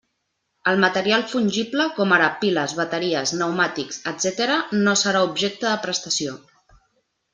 El material fungible, com ara piles, bateries, pneumàtics, etcètera, no serà objecte de prestació.